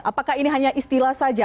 apakah ini hanya istilah saja